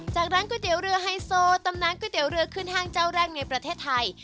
ร้านก๋วยเตี๋ยวเรือไฮโซตำนานก๋วยเตี๋ยเรือขึ้นห้างเจ้าแรกในประเทศไทย